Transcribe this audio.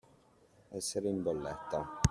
Essere in bolletta.